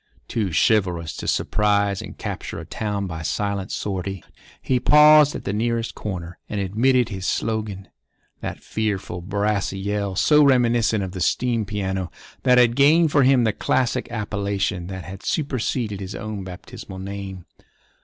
Too chivalrous to surprise and capture a town by silent sortie, he paused at the nearest corner and emitted his slogan—that fearful, brassy yell, so reminiscent of the steam piano, that had gained for him the classic appellation that had superseded his own baptismal name.